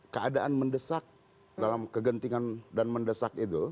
keadaan mendesak dalam kegentingan dan mendesak itu